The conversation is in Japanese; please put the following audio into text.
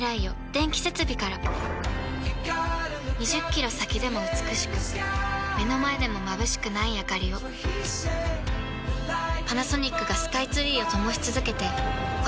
２０キロ先でも美しく目の前でもまぶしくないあかりをパナソニックがスカイツリーを灯し続けて今年で１０年